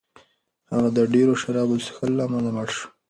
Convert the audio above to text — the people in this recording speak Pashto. هغه د ډېرو شرابو د څښلو له امله مړ شو.